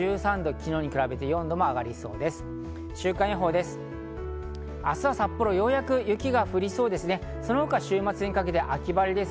昨日に比べて４度も上がりそうです。